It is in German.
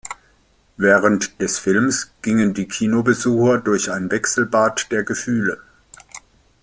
Während des Films gingen die Kinobesucher durch ein Wechselbad der Gefühle.